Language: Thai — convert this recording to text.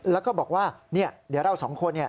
แล้วก็บอกว่าเดี๋ยวเราสองคน